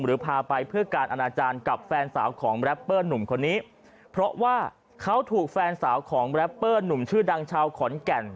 พาไปเพื่อการอนาจารย์กับแฟนสาวของแรปเปอร์หนุ่มคนนี้เพราะว่าเขาถูกแฟนสาวของแรปเปอร์หนุ่มชื่อดังชาวขอนแก่น